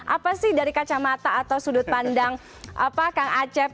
apa sih dari kacamata atau sudut pandang kang acep